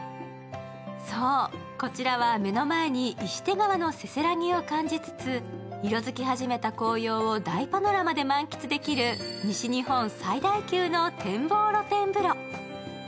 そう、こちらは目の前に石手川のせせらぎを感じつつ色づき始めた紅葉を大パノラマで満喫できる日本最大級の展望露天風呂。